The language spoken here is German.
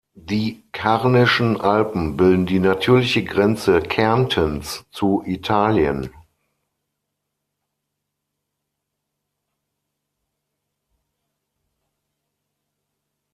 Die Karnischen Alpen bilden die natürliche Grenze Kärntens zu Italien.